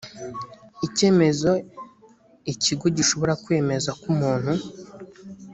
icyemezo ikigo gishobora kwemeza ko umuntu